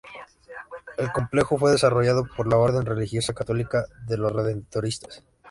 El complejo fue desarrollado por la orden religiosa católica de los Redentoristas.